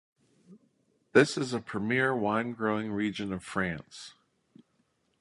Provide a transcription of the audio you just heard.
This is a premier wine-growing region of France.